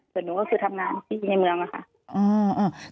ส่วนหนูก็คือทำงานที่ในเมืองอะค่ะ